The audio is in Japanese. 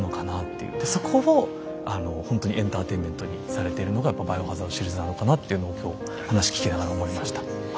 でそこをほんとにエンターテインメントにされてるのが「バイオハザード」シリーズなのかなっていうのを今日話聞きながら思いました。